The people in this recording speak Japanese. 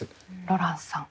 ロランスさん